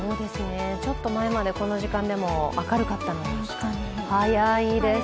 ちょっと前までこの時間でも明るかったのに、早いです。